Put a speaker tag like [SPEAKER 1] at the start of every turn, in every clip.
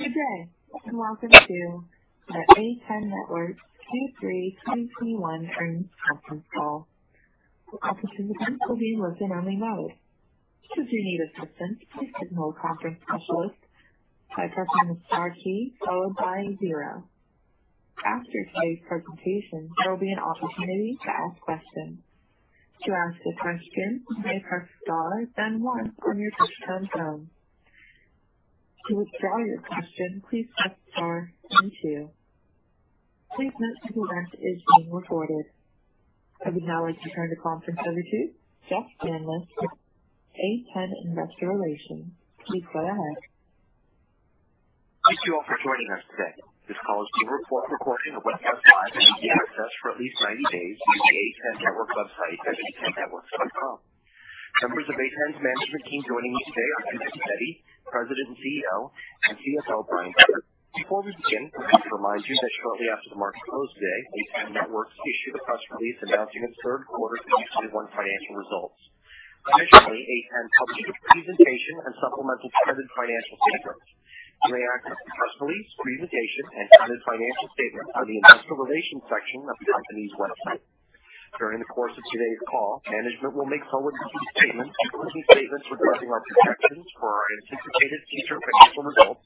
[SPEAKER 1] Good day, and welcome to the A10 Networks Q3 2021 Earnings Conference Call. All participants will be in listen-only mode. Should you need assistance, please contact a conference specialist by pressing the star key followed by zero. After today's presentation, there will be an opportunity to ask questions. To ask a question, please press star then one from your touchtone phone. To withdraw your question, please press star then two. Please note today's event is being recorded. I would now like to turn the conference over to Jeff Stanlis with A10 Investor Relations. Please go ahead.
[SPEAKER 2] Thank you all for joining us today. This call is being recorded and can be accessed for at least 90 days through the A10 Networks website at a10networks.com. Members of A10's management team joining me today are Dhrupad Trivedi, President and CEO, and CFO Brian Becker. Before we begin, let me remind you that shortly after the market closed today, A10 Networks issued a press release announcing its Q3 2021 financial results. Additionally, A10 published a presentation and supplemental financial statements. You may access the press release, presentation, and other financial statements on the Investor Relations section of the company's website. During the course of today's call, management will make forward-looking statements, including statements regarding our projections for our anticipated future financial results,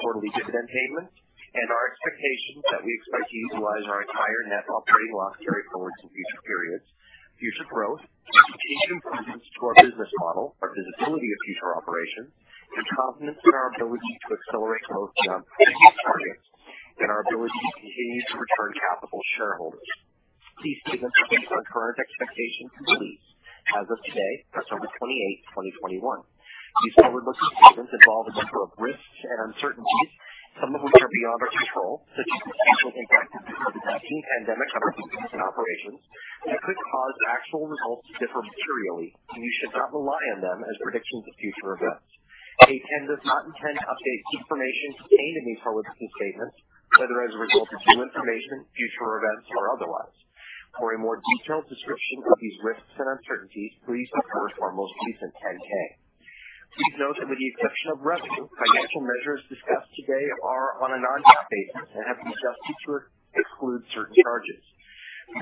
[SPEAKER 2] quarterly dividend payments, and our expectations that we expect to utilize our entire net operating loss carryforward to future periods, future growth, key improvements to our business model, our visibility of future operations, and confidence in our ability to accelerate growth beyond previous targets, and our ability to continue to return capital to shareholders. These statements are based on current expectations and beliefs as of today, October 28, 2021. These forward-looking statements involve a number of risks and uncertainties, some of which are beyond our control, such as the potential impact of the COVID-19 pandemic on our business and operations, that could cause actual results to differ materially, and you should not rely on them as predictions of future events. A10 does not intend to update information contained in these forward-looking statements, whether as a result of new information, future events, or otherwise. For a more detailed description of these risks and uncertainties, please refer to our most recent 10-K. Please note that with the exception of revenue, financial measures discussed today are on a non-GAAP basis and have been adjusted to exclude certain charges.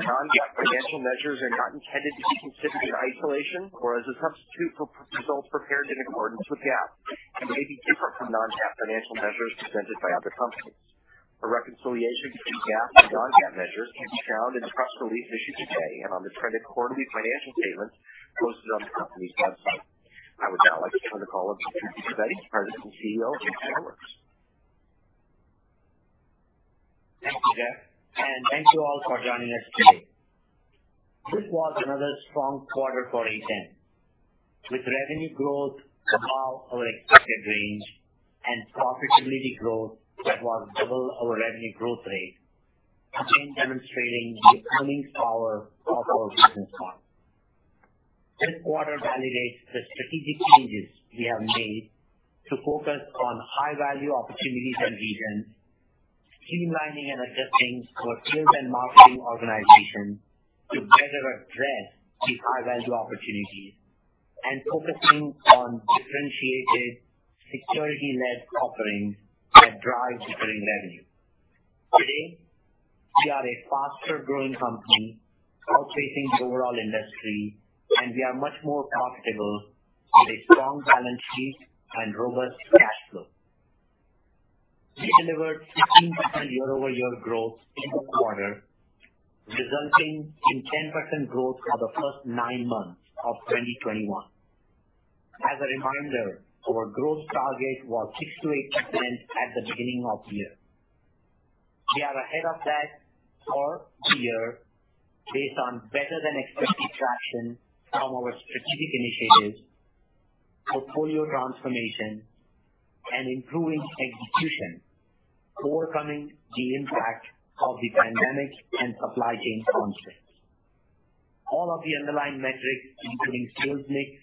[SPEAKER 2] Non-GAAP financial measures are not intended to be considered in isolation or as a substitute for results prepared in accordance with GAAP and may be different from non-GAAP financial measures presented by other companies. A reconciliation between GAAP and non-GAAP measures can be found in the press release issued today and on the traded quarterly financial statements posted on the company's website. I would now like to turn the call over to Dhrupad Trivedi, President and CEO of A10 Networks.
[SPEAKER 3] Thank you, Jeff, and thank you all for joining us today. This was another strong quarter for A10, with revenue growth above our expected range and profitability growth that was double our revenue growth rate, again demonstrating the earnings power of our business model. This quarter validates the strategic changes we have made to focus on high-value opportunities and regions, streamlining and adjusting our sales and marketing organization to better address these high-value opportunities, and focusing on differentiated security-led offerings that drive recurring revenue. Today, we are a faster-growing company outpacing the overall industry, and we are much more profitable with a strong balance sheet and robust cash flow. We delivered 15% year-over-year growth in the quarter, resulting in 10% growth for the first nine months of 2021. As a reminder, our growth target was 6%-8% at the beginning of the year. We are ahead of that for the year based on better than expected traction from our strategic initiatives, portfolio transformation, and improving execution, overcoming the impact of the pandemic and supply chain constraints. All of the underlying metrics, including sales mix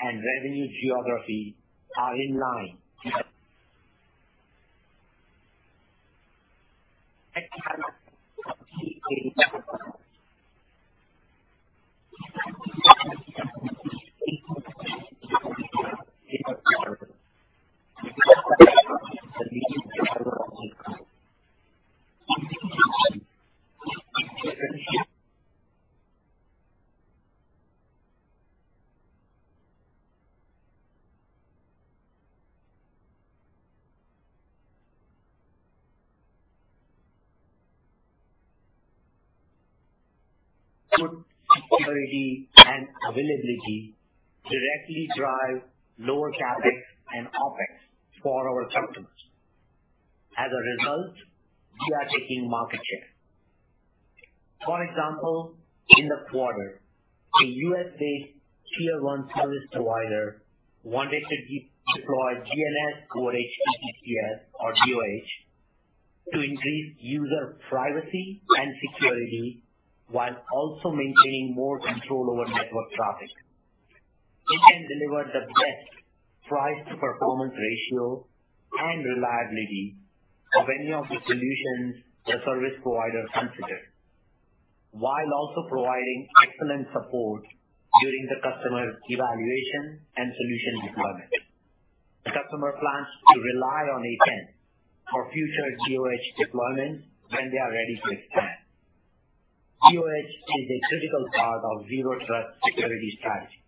[SPEAKER 3] and revenue geography, are in line with security and availability directly drive lower CapEx and OpEx for our customers. As a result, we are taking market share. For example, in the quarter, a U.S.-based tier one service provider wanted to deploy DNS, or HTTPS, or DoH, to increase user privacy and security while also maintaining more control over network traffic. A10 delivered the best price-to-performance ratio and reliability of any of the solutions the service provider considered, while also providing excellent support during the customer evaluation and solution deployment. The customer plans to rely on A10 for future DoH deployment when they are ready to expand. QOH is a critical part of zero trust security strategy.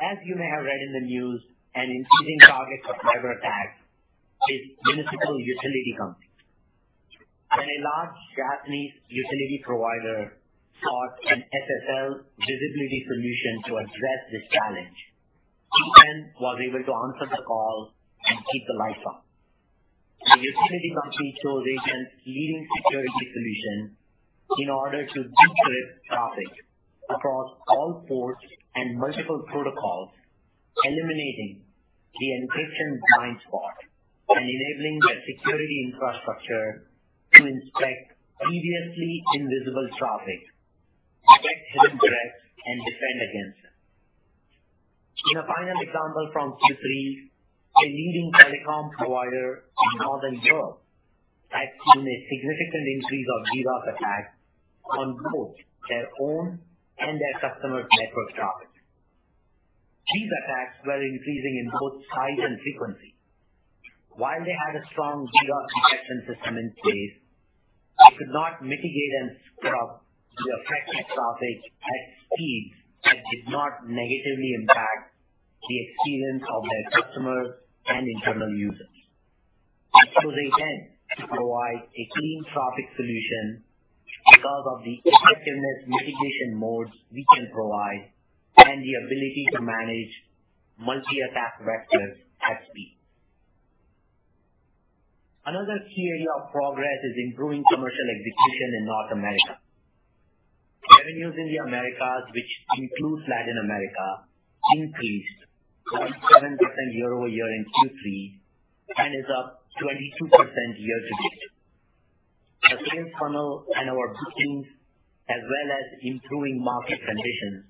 [SPEAKER 3] As you may have read in the news, an increasing target of cyber attacks is municipal utility companies. When a large Japanese utility provider sought an SSL visibility solution to address this challenge, A10 was able to answer the call and keep the lights on. The utility company chose A10's leading security solution in order to decrypt traffic across all ports and multiple protocols, eliminating the encryption blind spot and enabling their security infrastructure to inspect previously invisible traffic, detect hidden threats, and defend against them. In a final example from Q3, a leading telecom provider in Northern Europe had seen a significant increase of DDoS attacks on both their own and their customers' network traffic. These attacks were increasing in both size and frequency. While they had a strong DDoS detection system in place, they could not mitigate and scrub the affected traffic at speeds that did not negatively impact the experience of their customers and internal users. They chose A10 to provide a clean traffic solution because of the effectiveness mitigation modes we can provide and the ability to manage multi-attack vectors at speed. Another key area of progress is improving commercial execution in North America. Revenues in the Americas, which includes Latin America, increased +7% year-over-year in Q3 and is up 22% year-to-date. The sales funnel and our bookings, as well as improving market conditions,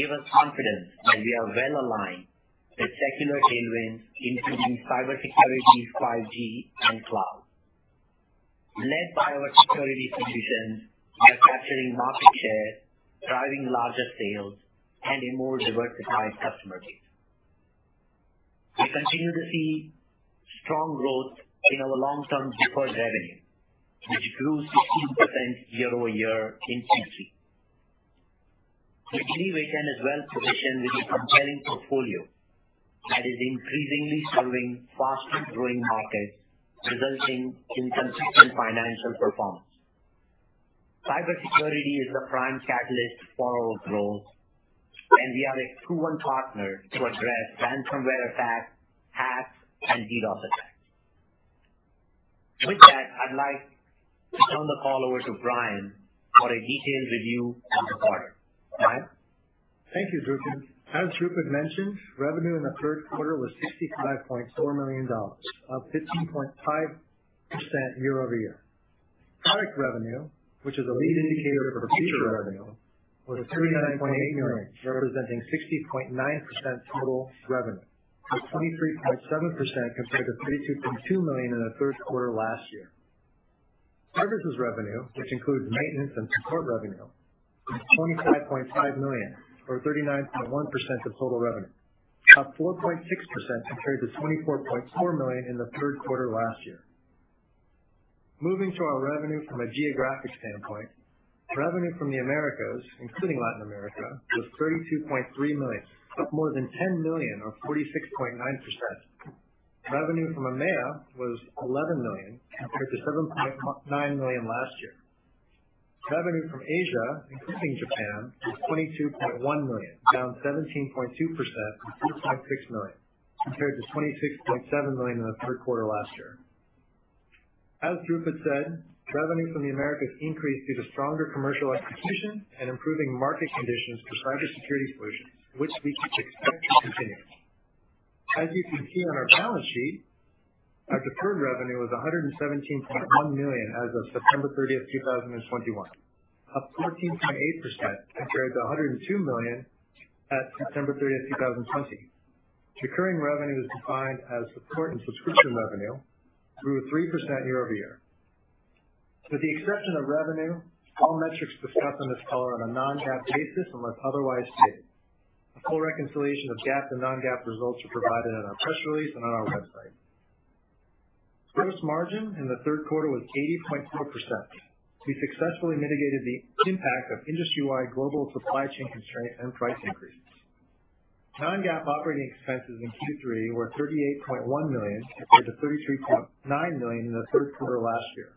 [SPEAKER 3] give us confidence that we are well aligned with secular tailwinds, including cybersecurity, 5G, and cloud. Led by our security solutions, we are capturing market share, driving larger sales, and a more diversified customer base. We continue to see strong growth in our long-term deferred revenue, which grew 16% year-over-year in Q3. We believe A10 is well positioned with a compelling portfolio that is increasingly serving faster-growing markets, resulting in consistent financial performance. Cybersecurity is the prime catalyst for our growth, and we are a proven partner to address ransomware attacks, hacks, and DDoS attacks. With that, I'd like to turn the call over to Brian for a detailed review of the quarter. Brian?
[SPEAKER 4] Thank you, Dhrupad. As Dhrupad mentioned, revenue in the Q3 was $65.4 million, up 15.5% year-over-year. Product revenue, which is a lead indicator for future revenue, was $39.8 million, representing 60.9% total revenue, up 23.7% compared to $32.2 million in the Q3 last year. Services revenue, which includes maintenance and support revenue, was $25.5 million, or 39.1% of total revenue, up 4.6% compared to $24.4 million in the Q3 last year. Moving to our revenue from a geographic standpoint, revenue from the Americas, including Latin America, was $32.3 million, up more than $10 million or 46.9%. Revenue from EMEA was $11 million compared to $7.9 million last year. Revenue from Asia, including Japan, was $22.1 million, down 17.2% compared to $26.7 million in the Q3 last year. Dhrupad said revenue from the Americas increased due to stronger commercial execution and improving market conditions for cybersecurity solutions, which we expect to continue. As you can see on our balance sheet, our deferred revenue was $117.1 million as of September 30, 2021, up 14.8% compared to $102 million at September 30, 2020. Recurring revenue, defined as support and subscription revenue, grew 3% year-over-year. With the exception of revenue, all metrics discussed on this call are on a non-GAAP basis, unless otherwise stated. A full reconciliation of GAAP and non-GAAP results are provided in our press release and on our website. Gross margin in the Q3 was 80.4%. We successfully mitigated the impact of industry-wide global supply chain constraints and price increases. Non-GAAP operating expenses in Q3 were $38.1 million compared to $33.9 million in the Q3 last year,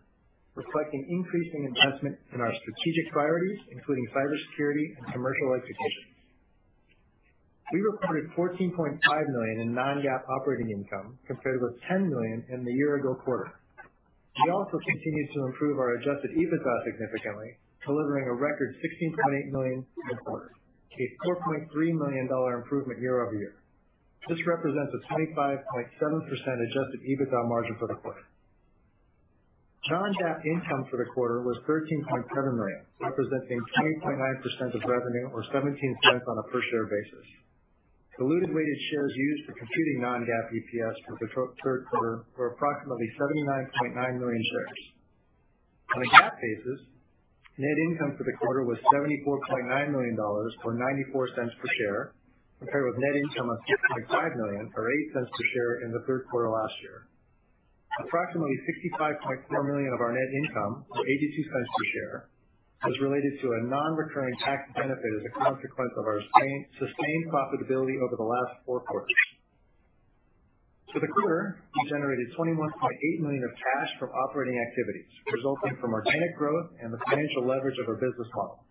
[SPEAKER 4] reflecting increasing investment in our strategic priorities, including cybersecurity and commercial execution. We reported $14.5 million in non-GAAP operating income compared with $10 million in the year ago quarter. We also continued to improve our adjusted EBITDA significantly, delivering a record $16.8 million for the quarter, a $4.3 million improvement year-over-year. This represents a 25.7% adjusted EBITDA margin for the quarter. Non-GAAP income for the quarter was $13.7 million, representing 3.9% of revenue or $0.17 per share basis. Diluted weighted shares used for computing non-GAAP EPS for the Q3 were approximately 79.9 million shares. On a GAAP basis, net income for the quarter was $74.9 million or $0.94 per share, compared with net income of $6.5 million or $0.08 per share in the Q3 last year. Approximately $65.4 million of our net income, or $0.82 per share, was related to a non-recurring tax benefit as a consequence of our sustained profitability over the last four quarters. For the quarter, we generated $21.8 million of cash from operating activities, resulting from organic growth and the financial leverage of our business model.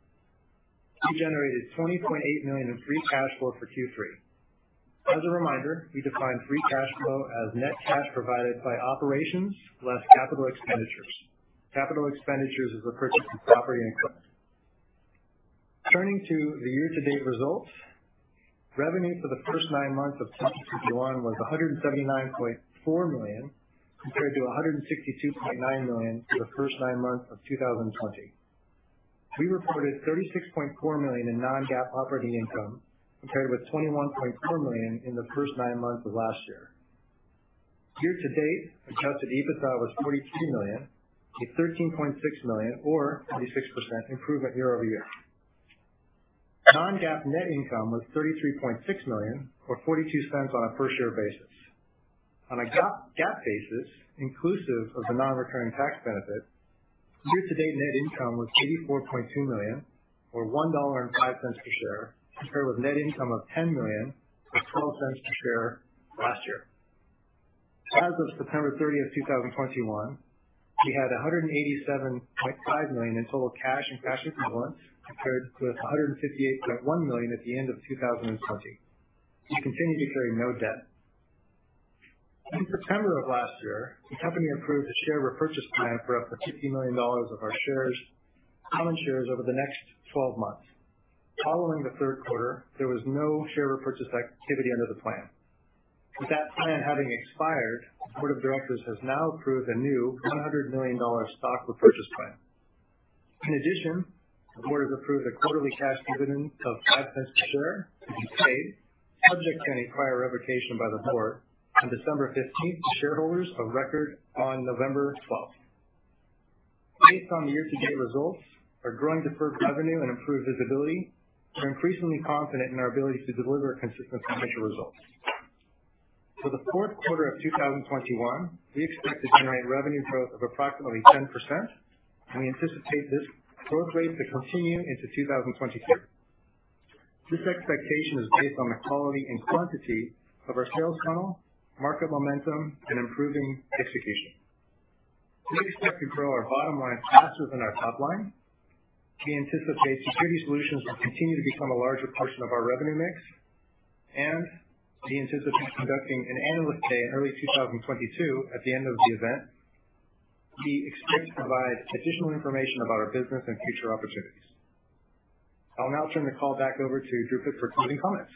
[SPEAKER 4] We generated $20.8 million in free cash flow for Q3. As a reminder, we define free cash flow as net cash provided by operations less capital expenditures. Capital expenditures is the purchase of property and equipment. Turning to the year-to-date results. Revenue for the first nine months of 2021 was $179.4 million, compared to $162.9 million for the first nine months of 2020. We reported $36.4 million in non-GAAP operating income, compared with $21.4 million in the first nine months of last year. Year to date, adjusted EBITDA was $42 million, a $13.6 million or 26% improvement year over year. Non-GAAP net income was $33.6 million or $0.42 per share. On a GAAP basis, inclusive of the non-recurring tax benefit, year-to-date net income was $84.2 million or $1.05 per share, compared with net income of $10 million, or $0.12 per share last year. As of September 30, 2021, we had $187.5 million in total cash and cash equivalents, compared to $158.1 million at the end of 2020. We continue to carry no debt. In September of last year, the company approved a share repurchase plan for up to $50 million of our shares, common shares over the next 12 months. Following the Q3, there was no share repurchase activity under the plan. With that plan having expired, the board of directors has now approved a new $100 million stock repurchase plan. In addition, the board has approved a quarterly cash dividend of $0.05 per share to be paid subject to any prior revocation by the board on December fifteenth to shareholders of record on November twelfth. Based on the year-to-date results, our growing deferred revenue and improved visibility, we're increasingly confident in our ability to deliver consistent financial results. For the Q4 of 2021, we expect to generate revenue growth of approximately 10%, and we anticipate this growth rate to continue into 2022. This expectation is based on the quality and quantity of our sales funnel, market momentum, and improving execution. We expect to grow our bottom line faster than our top line. We anticipate security solutions will continue to become a larger portion of our revenue mix, and we anticipate conducting an Analyst Day in early 2022. At the end of the event, we expect to provide additional information about our business and future opportunities. I'll now turn the call back over to Dhrupad for closing comments.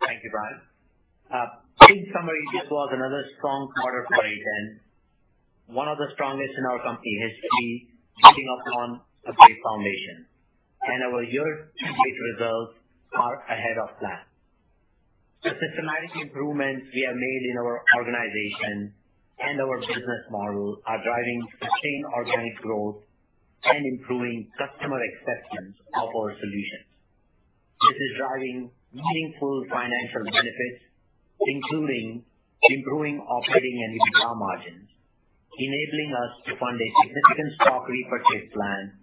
[SPEAKER 3] Thank you, Brian. In summary, this was another strong quarter for ATEN, one of the strongest in our company history, building upon a great foundation, and our year-to-date results are ahead of plan. The systematic improvements we have made in our organization and our business model are driving sustained organic growth and improving customer acceptance of our solutions. This is driving meaningful financial benefits, including improving operating and EBITDA margins, enabling us to fund a significant stock repurchase plan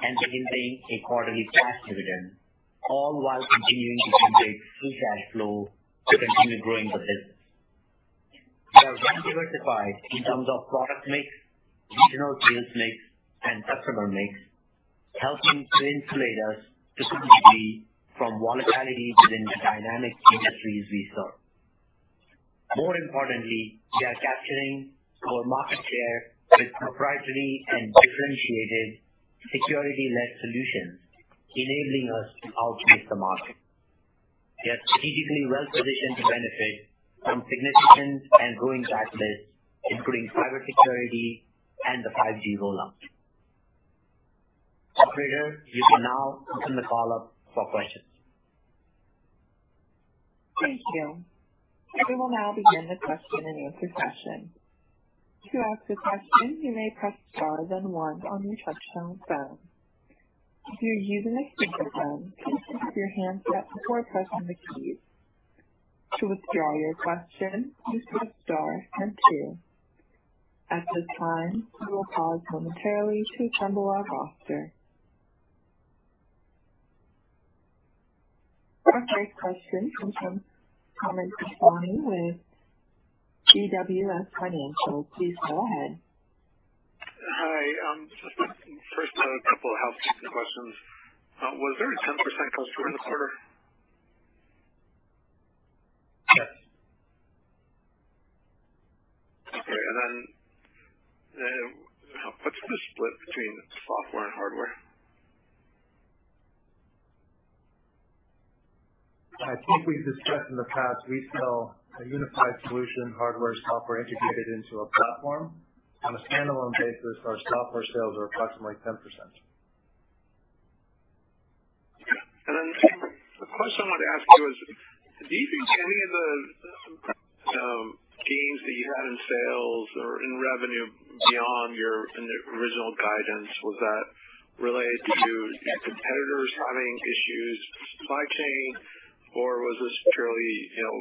[SPEAKER 3] and to implement a quarterly cash dividend, all while continuing to generate free cash flow to continue growing the business. We are well-diversified in terms of product mix, regional sales mix, and customer mix, helping to insulate us to some degree from volatility within the dynamic industries we serve. More importantly, we are capturing more market share with proprietary and differentiated security-led solutions, enabling us to outpace the market. We are strategically well positioned to benefit from significant and growing catalysts, including private security and the 5G rollout. Operator, you can now open the call up for questions.
[SPEAKER 1] Thank you. We will now begin the question and answer session. To ask a question, you may press star then one on your touch-tone phone. If you're using a speakerphone, please pick up your handset before pressing the keys. To withdraw your question, please press star then two. At this time, we will pause momentarily to assemble our roster. Our first question comes from Hamed Khorsand with BWS Financial. Please go ahead.
[SPEAKER 5] Hi, just first a couple of housekeeping questions. Was there a 10% posture in the quarter?
[SPEAKER 4] Yes.
[SPEAKER 5] What's the split between software and hardware?
[SPEAKER 4] I think we've discussed in the past, we sell a unified solution, hardware, software integrated into a platform. On a standalone basis, our software sales are approximately 10%.
[SPEAKER 5] A question I wanted to ask you is, do you think any of the gains that you had in sales or in revenue beyond your original guidance, was that related to competitors having issues, supply chain, or was this purely, you know,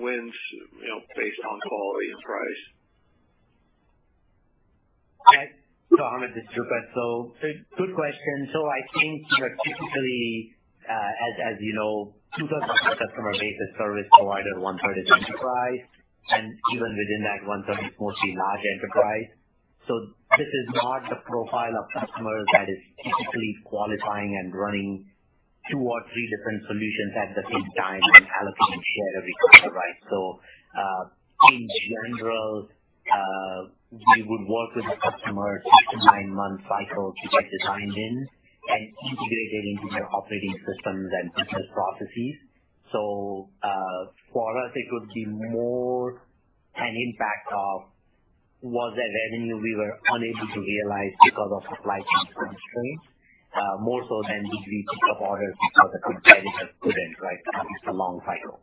[SPEAKER 5] wins, you know, based on quality and price?
[SPEAKER 3] Yeah. Hamed, this is Dhrupad. Good question. I think, you know, typically, as you know, two-thirds of our customer base is service provider, one-third is enterprise. Even within that one-third, it's mostly large enterprise. This is not the profile of customer that is typically qualifying and running two or three different solutions at the same time and allocating share every quarter, right? In general, we would work with a customer six- to nine-month cycle to get the signed in and integrated into their operating systems and business processes. For us, it would be more an impact of was that revenue we were unable to realize because of supply chain constraints, more so than did we pick up orders because a competitor couldn't, right? It's a long cycle.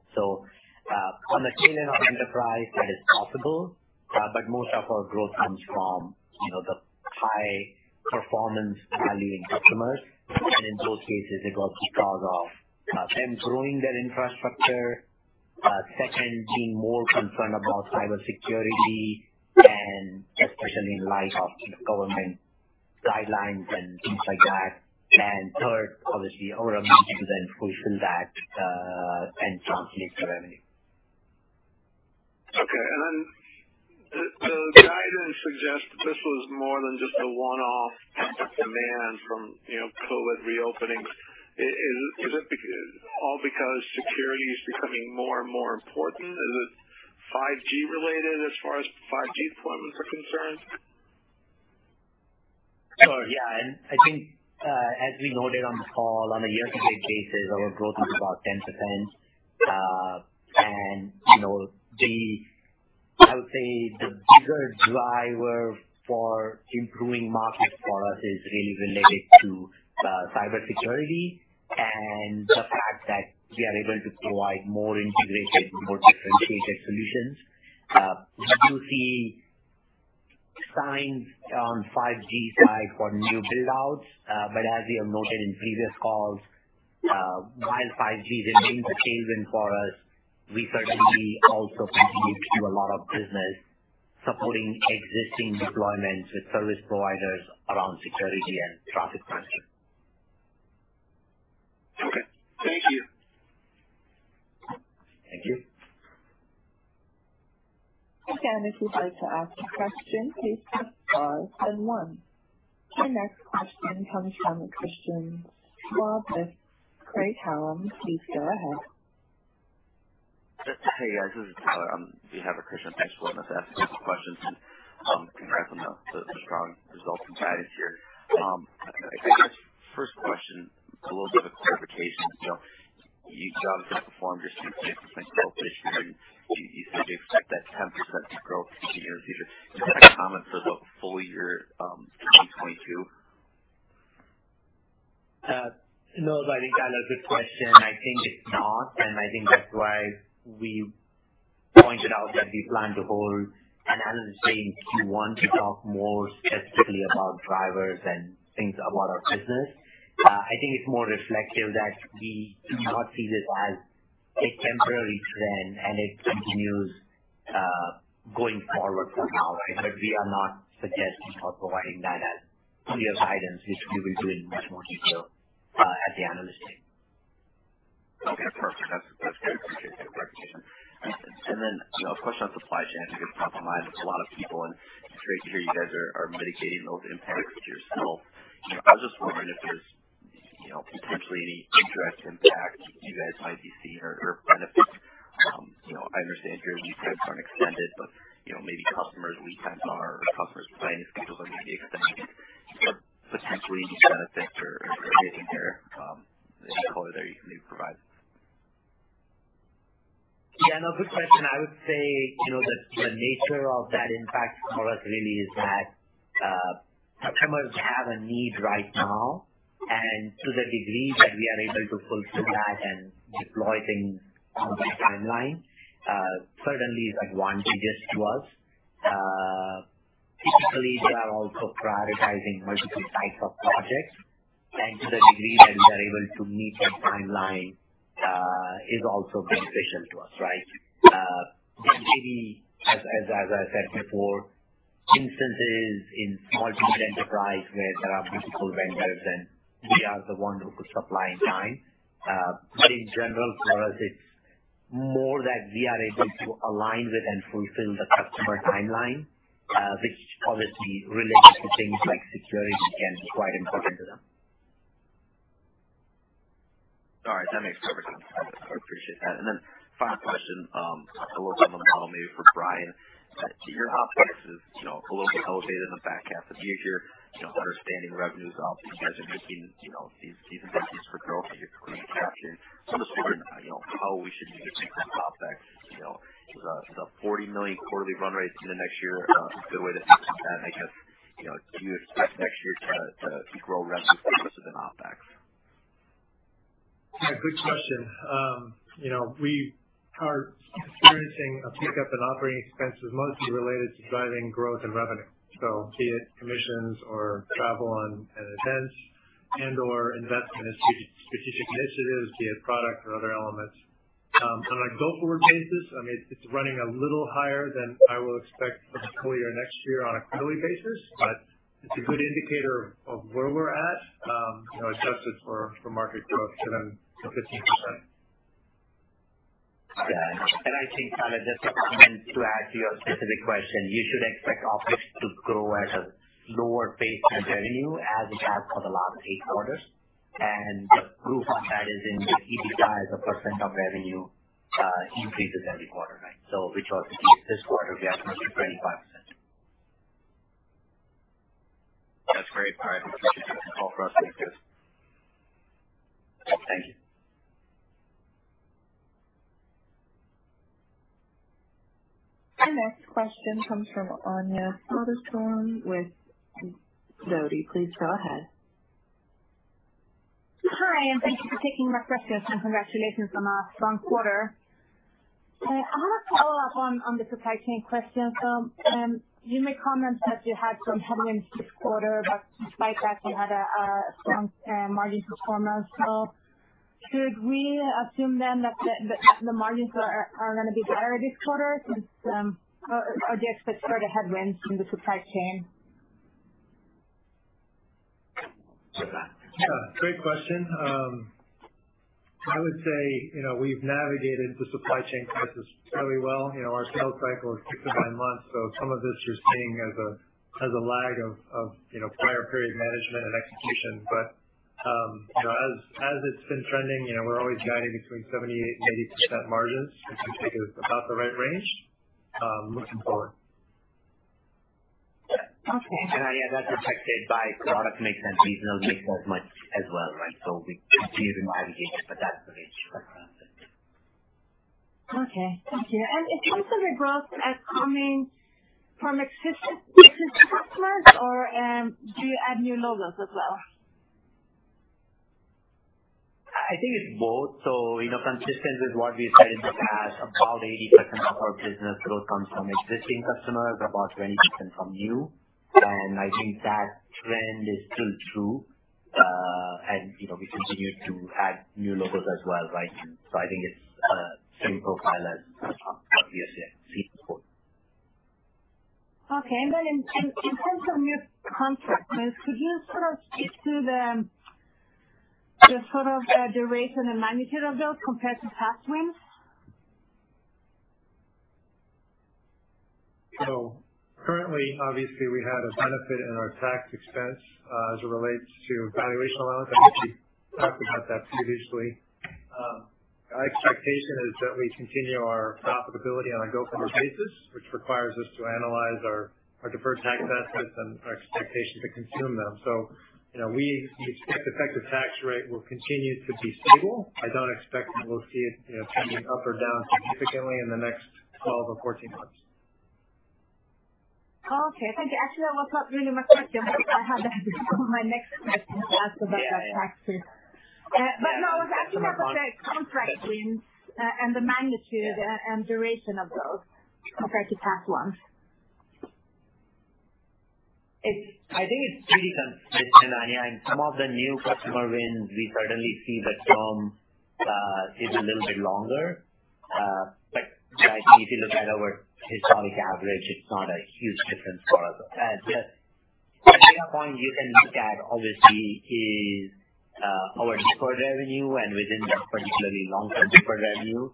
[SPEAKER 3] On the tail end of enterprise that is possible, but most of our growth comes from, you know, the high performance value in customers. In those cases, it was because of them growing their infrastructure, second, being more concerned about cybersecurity and especially in light of government guidelines and things like that. Third, obviously, our ability to then fulfill that and translate to revenue.
[SPEAKER 5] Okay. Then the guidance suggests that this was more than just a one-off demand from, you know, COVID reopenings. Is it all because security is becoming more and more important? Is it 5G related as far as 5G deployments are concerned?
[SPEAKER 3] Sure, yeah. I think, as we noted on the call, on a year-to-date basis, our growth was about 10%. You know, I would say the bigger driver for improving market for us is really related to, cybersecurity and the fact that we are able to provide more integrated, more differentiated solutions. We do see signs on 5G side for new build outs. As we have noted in previous calls, while 5G is enabling the change for us, we certainly also continue to do a lot of business supporting existing deployments with service providers around security and traffic management.
[SPEAKER 5] Okay. Thank you.
[SPEAKER 3] Thank you.
[SPEAKER 1] Your next question comes from Christian Schwab, Craig-Hallum. Please go ahead.
[SPEAKER 6] Hey, guys, this is Tyler. We have Christian. Thanks for letting us ask a few questions. Congrats on the strong results and guidance here. I guess first question, a little bit of clarification. So you've obviously outperformed your 10% growth this year. Do you expect that 10% to grow into next year? Just any comments about full year 2022?
[SPEAKER 3] No, I think, Tyler, good question. I think it's not, and I think that's why we pointed out that we plan to hold an analyst day. If you want to talk more specifically about drivers and things about our business. I think it's more reflective that we do not see this as a temporary trend and it continues going forward from now, right? We are not suggesting or providing that as piece of guidance, which we will do in much more detail at the analyst day.
[SPEAKER 6] Okay, perfect. That's great. Appreciate the clarification. Then, you know, a question on supply chain. I think it's top of mind with a lot of people, and I'm pretty sure you guys are mitigating those impacts with your scope. You know, I was just wondering if there's, you know, potentially any indirect impact you guys might be seeing or benefit. You know, I understand your lead times aren't extended, but, you know, maybe customers' lead times are, customers' planning schedules are maybe extending. Potentially any benefit you're getting there, any color there you can provide.
[SPEAKER 3] Yeah, no, good question. I would say, you know, the nature of that impact for us really is that, customers have a need right now. To the degree that we are able to fulfill that and deploy things on their timeline, certainly is advantageous to us. Typically, they are also prioritizing multiple types of projects. To the degree that we are able to meet their timeline, is also beneficial to us, right? Maybe as I said before, instances in multi-vendor enterprise where there are multiple vendors and we are the one who could supply in time. In general, for us it's more that we are able to align with and fulfill the customer timeline, which obviously related to things like security, again, is quite important to them.
[SPEAKER 6] All right, that makes perfect sense. I appreciate that. Final question, a little bit on the model maybe for Brian. Your OpEx is, you know, a little bit elevated in the back half of the year. You know, understanding the revenues, obviously you guys are making, you know, these investments for growth and you're putting in cash in. I'm just wondering, you know, how we should maybe think through OpEx. You know, is a $40 million quarterly run rate into next year a good way to think about that? I guess, you know, do you expect next year to grow revenue faster than OpEx?
[SPEAKER 4] Yeah, good question. You know, we are experiencing a pickup in operating expenses mostly related to driving growth and revenue. Be it commissions or travel on events and/or investment in strategic initiatives, be it product or other elements. On a going forward basis, I mean, it's running a little higher than I would expect for the full year next year on a quarterly basis, but it's a good indicator of where we're at, you know, adjusted for market growth to ten to 15%.
[SPEAKER 3] Yeah. I think, Tyler, just to comment, to add to your specific question, you should expect OpEx to grow at a lower pace than revenue, as it has for the last eight quarters. The proof on that is in the EBITDA as a percent of revenue, increases every quarter, right? Which was this quarter we are 25%.
[SPEAKER 6] That's great. All right. Thank you. That's all for us. Thank you.
[SPEAKER 1] Our next question comes from Anja Soderstrom with Sidoti & Company. Please go ahead.
[SPEAKER 7] Hi, thank you for taking my questions and congratulations on a strong quarter. I want to follow up on the supply chain question. You made comments that you had some headwinds this quarter, but despite that you had a strong margin performance. Should we assume then that the margins are gonna be better this quarter since or are the expected sort of headwinds from the supply chain?
[SPEAKER 4] Yeah, great question. I would say, you know, we've navigated the supply chain crisis fairly well. You know, our sales cycle is 6-9 months, so some of this you're seeing as a lag of, you know, prior period management and execution. You know, as it's been trending, you know, we're always guiding between 78% and 82% margins, which we think is about the right range, looking forward.
[SPEAKER 7] Okay.
[SPEAKER 3] Yeah, that's protected by product mix and regional mix as much as well, right? We continue to navigate, but that's the range across it.
[SPEAKER 7] Okay. Thank you. In terms of the growth as coming from existing customers or, do you add new logos as well?
[SPEAKER 3] I think it's both. You know, consistent with what we said in the past, about 80% of our business growth comes from existing customers, about 20% from new. I think that trend is still true. You know, we continue to add new logos as well, right? I think it's same profile as previously.
[SPEAKER 7] Okay. In terms of new contracts, could you sort of speak to the sort of duration and magnitude of those compared to past wins?
[SPEAKER 4] Currently obviously we had a benefit in our tax expense as it relates to valuation allowance. I think we talked about that previously. Our expectation is that we continue our profitability on a go-forward basis, which requires us to analyze our deferred tax assets and our expectation to consume them. You know, we expect effective tax rate will continue to be stable. I don't expect that we'll see it, you know, trending up or down significantly in the next 12 or 14 months.
[SPEAKER 7] Okay, thank you. Actually, that was not really my question. I have that before my next question to ask about that tax too.
[SPEAKER 3] Yeah.
[SPEAKER 7] No, I was asking about the contract wins, and the magnitude-
[SPEAKER 3] Yeah.
[SPEAKER 7] duration of those compared to past ones.
[SPEAKER 3] I think it's pretty consistent, Anja. In some of the new customer wins, we certainly see the term is a little bit longer. I think if you look at our historic average, it's not a huge difference for us. The data point you can look at obviously is our deferred revenue and within that particularly long-term deferred revenue,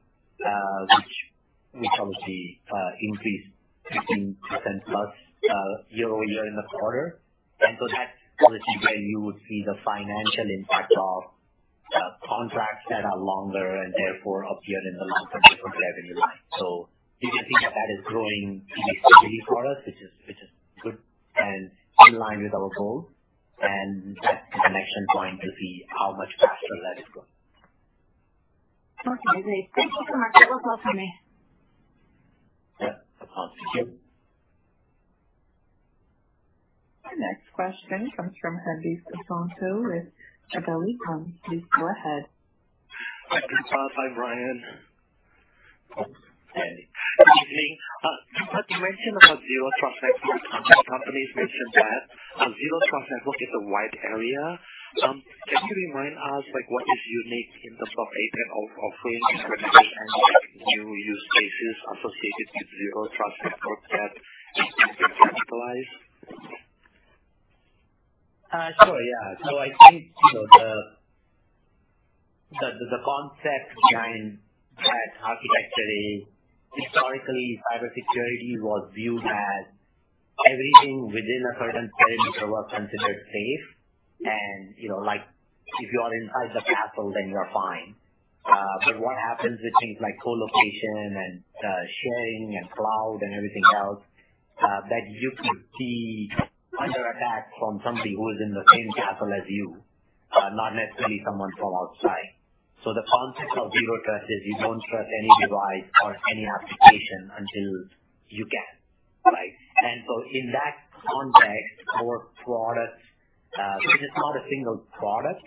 [SPEAKER 3] which obviously increased 15% plus year-over-year in the quarter. That's obviously where you would see the financial impact of contracts that are longer and therefore appear in the long-term deferred revenue line. You can see that that is growing significantly for us, which is good and in line with our goal. That's the connection point to see how much faster that is growing.
[SPEAKER 7] Okay, great. Thank you so much. That was all for me.
[SPEAKER 3] Yeah. Thank you.
[SPEAKER 1] Our next question comes from Hendi Susanto with Gabelli Funds. Please go ahead.
[SPEAKER 8] Hi, Kris. Hi, Brian. Hey. Good evening. You mentioned about zero trust network. Companies mentioned that zero trust network is a wide area. Can you remind us, like what is unique in terms of APRM offering solutions, new use cases associated with zero trust network that you can capitalize?
[SPEAKER 3] Sure. Yeah. I think, you know, the concept behind that architecture is historically cybersecurity was viewed as everything within a certain perimeter was considered safe. You know, like, if you are inside the castle, then you're fine. What happens with things like co-location and sharing and cloud and everything else, that you could be under attack from somebody who is in the same castle as you, not necessarily someone from outside. The concept of zero trust is you don't trust any device or any application until you can. In that context, our products, it is not a single product.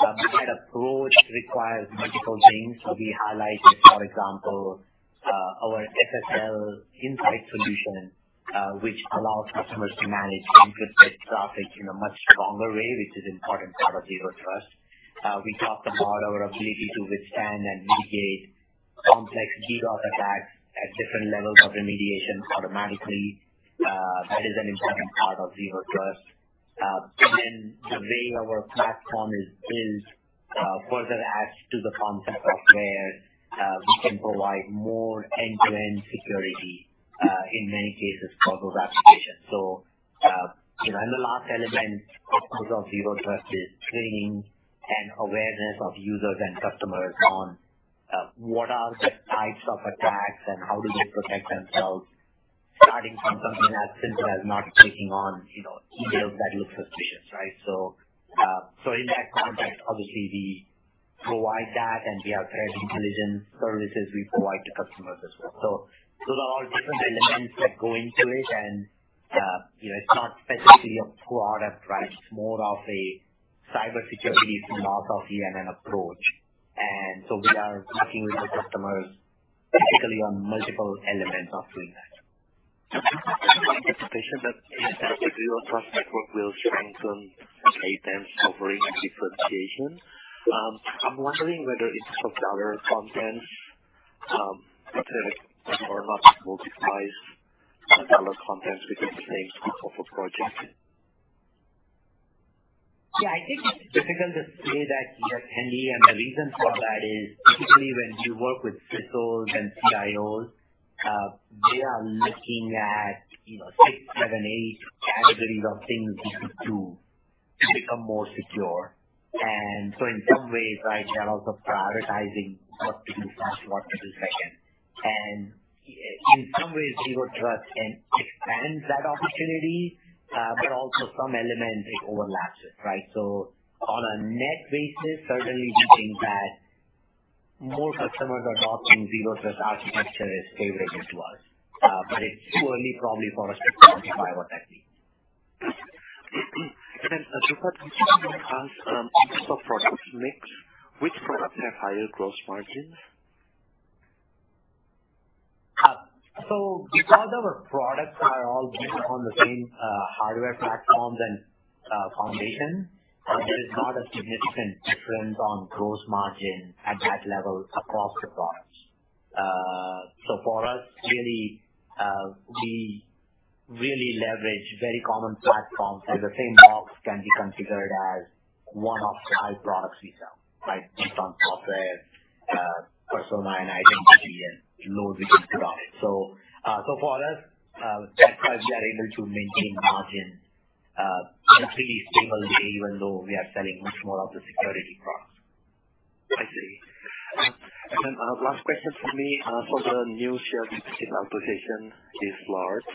[SPEAKER 3] The kind of approach requires multiple things. We highlighted, for example, our SSL Insight solution, which allows customers to manage encrypted traffic in a much stronger way, which is important part of zero trust. We talked about our ability to withstand and mitigate complex DDoS attacks at different levels of remediation automatically. That is an important part of zero trust. The way our platform is built further adds to the concept of where we can provide more end-to-end security in many cases part of application. You know, and the last element of zero trust is training and awareness of users and customers on what are the types of attacks and how do they protect themselves, starting from something as simple as not clicking on, you know, emails that look suspicious, right? In that context, obviously we provide that, and we have threat intelligence services we provide to customers as well. Those are all different elements that go into it. You know, it's not specifically a product, right? It's more of a cybersecurity philosophy and an approach. We are working with the customers typically on multiple elements of doing that.
[SPEAKER 8] The expectation that the Zero Trust network will strengthen A10's covering and differentiation. I'm wondering whether it's of the other content, prepared or not multiplies other contents within the same scope of project.
[SPEAKER 3] Yeah, I think it's difficult to say that yet, Hendi Susanto, and the reason for that is typically when you work with CISOs and CIOs, they are looking at, you know, six, seven, eight categories of things you could do to become more secure. In some ways, right, they're also prioritizing what to do first, what to do second. In some ways, zero trust can expand that opportunity, but also some elements it overlaps it, right? On a net basis, certainly we think that more customers adopting zero trust architecture is favorable to us, but it's too early probably for us to quantify what that means.
[SPEAKER 8] Dhrupad, can you please ask, in terms of products mix, which products have higher gross margins?
[SPEAKER 3] Because our products are all built on the same hardware platforms and foundation, there is not a significant difference on gross margin at that level across the products. For us, really, we really leverage very common platforms, so the same box can be considered as one of five products we sell, right, based on software persona and identity and loads we just dropped. For us, that's why we are able to maintain margins pretty similarly, even though we are selling much more of the security products.
[SPEAKER 8] I see. Last question from me. For the new share buyback authorization is large,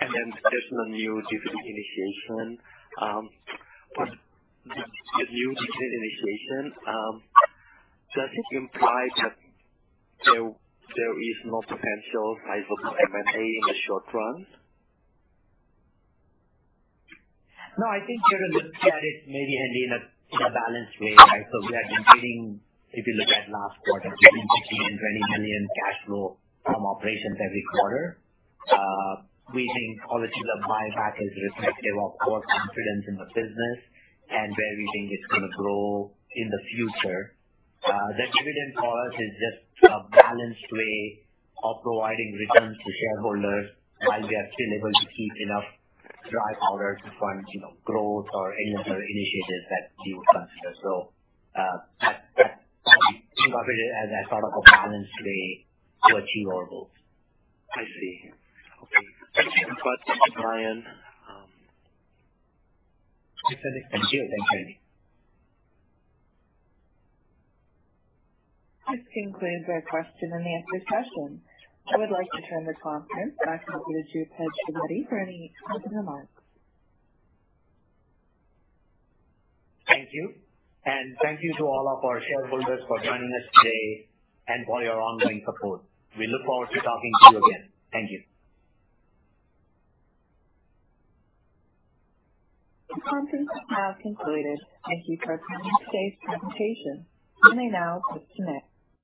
[SPEAKER 8] and then there's no new dividend initiation. The new dividend initiation does it imply that there is no potential rise of M&A in the short run?
[SPEAKER 3] No, I think we're looking at it maybe, Hendi, in a balanced way, right? We have been paying, if you look at last quarter, $15-$20 million cash flow from operations every quarter. We think policy of buyback is reflective of our confidence in the business and where we think it's gonna grow in the future. The dividend for us is just a balanced way of providing returns to shareholders while we are still able to keep enough dry powder to fund, you know, growth or any other initiatives that we would consider. That we think of it as a sort of a balanced way to achieve our goals.
[SPEAKER 8] I see. Okay. Dhrupad, Brian.
[SPEAKER 3] Yes, sir. Thank you. Thank you, Hendi Susanto.
[SPEAKER 1] This concludes our question and answer session. I would like to turn the conference back over to Dhrupad Trivedi for any closing remarks.
[SPEAKER 3] Thank you. Thank you to all of our shareholders for joining us today and for your ongoing support. We look forward to talking to you again. Thank you.
[SPEAKER 1] This conference is now concluded. Thank you for attending today's presentation. You may now disconnect.